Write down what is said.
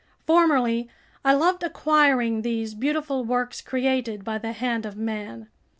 Formerly I loved acquiring these beautiful works created by the hand of man.